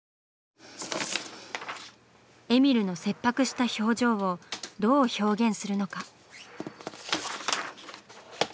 「えみるの切迫した表情」をどう表現するのか？